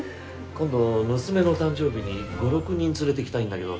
今度娘の誕生日に５６人連れてきたいんだけど。